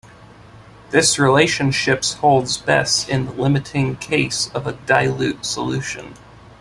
This relationships holds best in the limiting case of a dilute solution.